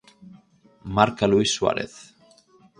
Marca Luís Suárez.